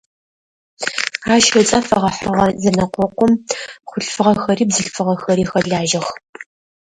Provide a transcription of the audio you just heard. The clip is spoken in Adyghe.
Ащ ыцӏэ фэгъэхьыгъэ зэнэкъокъум хъулъфыгъэхэри бзылъфыгъэхэри хэлажьэх.